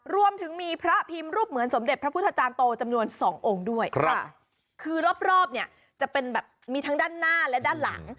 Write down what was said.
รวมถึงมีพระพิมพ์รูปเหมือนสมเด็จพระพุทธจารย์โตจำนวนสององค์ด้วยครับคือรอบรอบเนี่ยจะเป็นแบบมีทั้งด้านหน้าและด้านหลัง